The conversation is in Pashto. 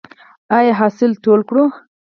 آیا حاصل ټول کړو؟